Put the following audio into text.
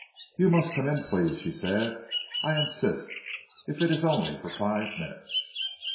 "You must come in, please," she said. "I insist, if it is only for five minutes."